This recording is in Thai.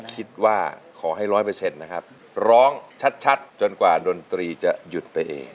ขอให้ร้อยเปอร์เซ็นต์นะครับร้องชัดจนกว่าดนตรีจะหยุดตัวเอง